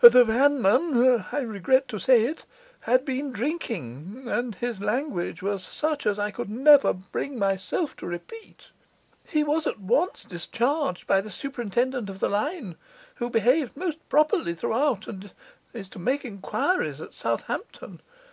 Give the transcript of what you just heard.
'The vanman (I regret to say it) had been drinking, and his language was such as I could never bring myself to repeat. He was at once discharged by the superintendent of the line, who behaved most properly throughout, and is to make enquiries at Southampton.